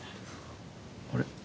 あれ？